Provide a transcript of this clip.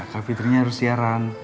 kak fitrinnya harus siaran